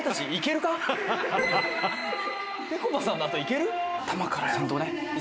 「ぺこぱさんのあといける？」